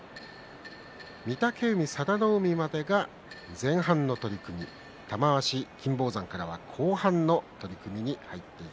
御嶽海、佐田の海までが前半の取組玉鷲、金峰山から後半の取組です。